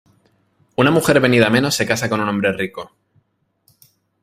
Una mujer venida a menos se casa con un hombre rico.